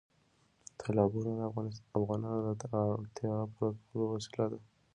تالابونه د افغانانو د اړتیاوو پوره کولو وسیله ده.